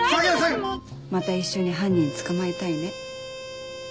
また一緒に犯人捕まえたいね。